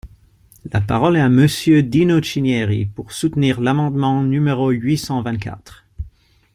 La parole est à Monsieur Dino Cinieri, pour soutenir l’amendement numéro huit cent vingt-quatre.